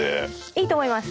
いいと思います。